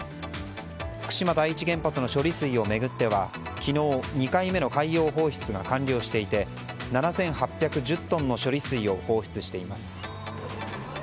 福島第一原発の処理水を巡っては昨日、２回目の海洋放出が完了していて７８１０トンの処理水を放出しています。